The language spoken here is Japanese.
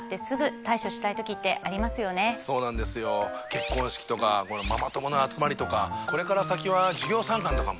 結婚式とかママ友の集まりとかこれから先は授業参観とかも。